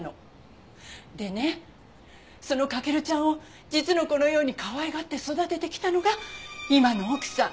でねその翔ちゃんを実の子のようにかわいがって育ててきたのが今の奥さん。